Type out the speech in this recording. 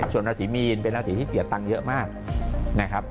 ส่วนราศีมีนเป็นราศีที่เสียตังค์เยอะมากนะครับ